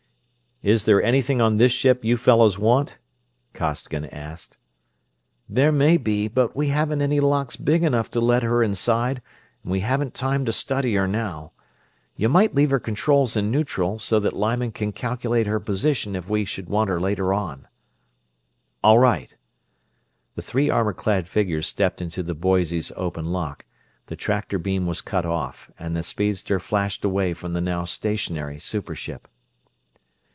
"Is there anything on this ship you fellows want?" Costigan asked. "There may be, but we haven't any locks big enough to let her inside and we haven't time to study her now. You might leave her controls in neutral, so that Lyman can calculate her position if we should want her later on." "All right." The three armor clad figures stepped into the Boise's open lock, the tractor beam was cut off, and the speedster flashed away from the now stationary super ship.